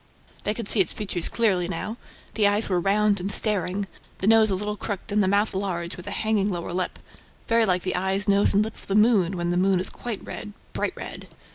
They could see its features clearly now. The eyes were round and staring, the nose a little crooked and the mouth large, with a hanging lower lip, very like the eyes, nose and lip of the moon, when the moon is quite red, bright red.